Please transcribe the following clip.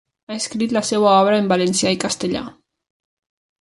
Ha escrit la seua obra en valencià i castellà.